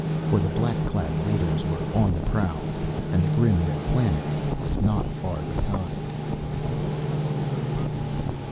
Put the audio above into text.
For the black clad Leiters were on the prowl ... and the grim red planet was not far behind.